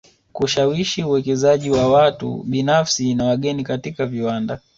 Kushawishi uwekezaji wa watu binafsi na wageni katika viwanda